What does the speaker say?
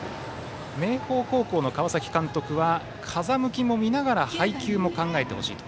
明豊高校の川崎監督も風向きも見ながら配球も考えてほしいと。